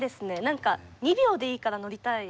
何か２秒でいいから乗りたい。